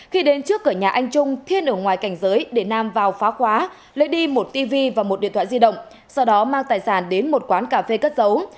khi đến trước cửa nhà anh trung thiên ở ngoài cảnh giới để nam vào phá khóa lấy đi một tv và một điện thoại di động sau đó mang tài sản đến một quán cà phê cất dấu